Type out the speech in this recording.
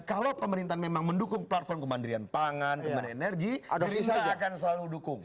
kalau pemerintahan memang mendukung platform kemandirian pangan kemandirian energi jadi saya akan selalu dukung